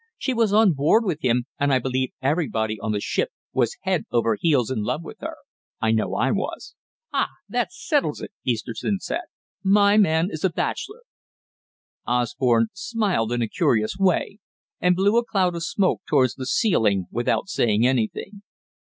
She was on board with him, and I believe everybody on the ship was head over ears in love with her. I know I was." "Ah, that settles it," Easterton said. "My man is a bachelor." Osborne smiled in a curious way, and blew a cloud of smoke towards the ceiling without saying anything.